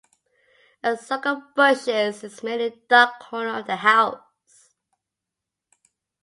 A circle of bushes is made in a dark corner of the house.